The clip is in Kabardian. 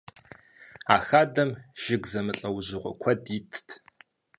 А хадэм жыг зэмылӏэужьыгъуэ куэд итт.